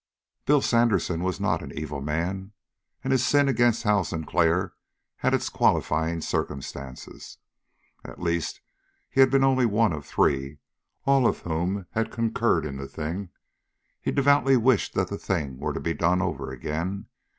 Bill Sandersen was not an evil man, and his sin against Hal Sinclair had its qualifying circumstances. At least he had been only one of three, all of whom had concurred in the thing. He devoutly wished that the thing were to be done over again.